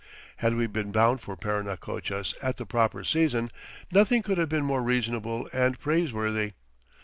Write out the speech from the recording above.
Had we been bound for Parinacochas at the proper season nothing could have been more reasonable and praiseworthy.